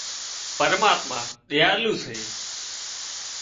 پرماتما ۮيالو سي